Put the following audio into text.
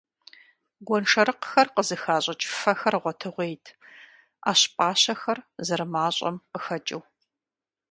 Гуэншэрыкъыр къызыхащӀыкӀ фэхэр гъуэтыгъуейт, Ӏэщ пӀащэхэр зэрымащӀэм къыхэкӀыу.